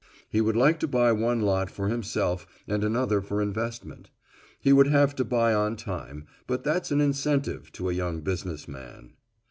He would like to buy one lot for himself and another for investment. He would have to buy on time, but that's an incentive to a young business man.